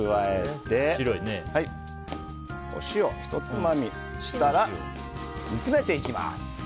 お塩ひとつまみしたら煮詰めていきます。